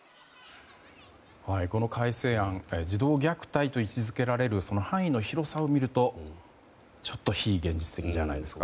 この改正案児童虐待と位置付けられる範囲の広さを見ると、ちょっと非現実的じゃないですか。